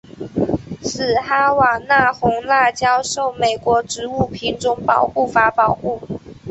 此哈瓦那红辣椒受美国植物品种保护法保护。